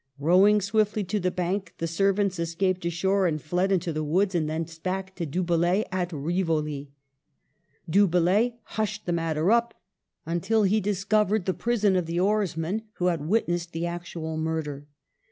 Rowing swiftly to the bank, the ser vants escaped ashore and fled into the woods, and thence back to Du Bellay at Rivoli. Du Bellay hushed the matter up until he discovered the prison of the oarsmen who had witnessed the actual murder.